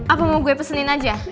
apa mau gue pesenin aja